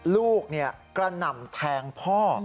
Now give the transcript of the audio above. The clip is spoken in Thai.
ลูกกระหน่ำแทงพ่อ